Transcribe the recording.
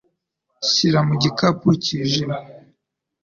Shyira mu gikapu cyijimye.